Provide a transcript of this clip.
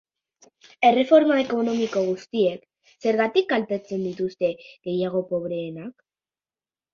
Erreforma ekonomiko guztiek zergatik kaltetzen dituzte gehiago pobreenak?